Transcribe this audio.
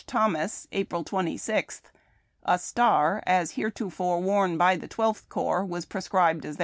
Thomas, April 26, "a star, as heretofore worn by the Twelfth Corps," was prescribed as the badge.